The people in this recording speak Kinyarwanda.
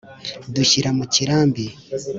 dushyira mu kirambi